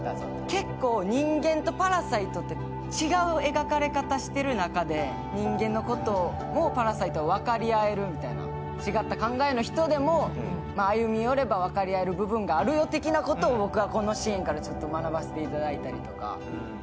結構人間とパラサイトって違う描かれ方をしている中で、人間のこともパラサイトは分かり合える、違った考えの人でも歩み寄れば、分かり合える部分があるよ的なことをこのシーンから学ばせてもらったりとか。